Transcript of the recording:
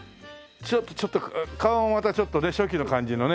ちょっと顔もまたちょっとね初期の感じのね。